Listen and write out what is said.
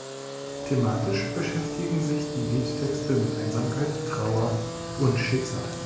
Thematisch beschäftigen sich die Liedtexte mit Einsamkeit, Trauer und Schicksal.